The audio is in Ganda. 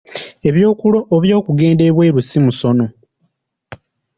Eby’okugenda ebweru si musono